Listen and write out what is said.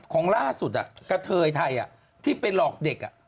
ของล่าสุดกระเทยไทยที่ไปหลอกเด็ก